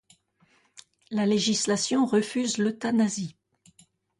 La législation refuse l'euthanasie.